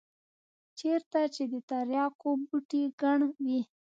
چېرته چې د ترياکو بوټي گڼ وي.